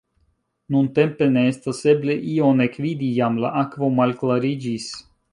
Nuntempe ne estas eble ion ekvidi, jam la akvo malklariĝis.